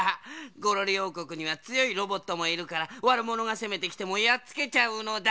ゴロリおうこくにはつよいロボットもいるからわるものがせめてきてもやっつけちゃうのだ。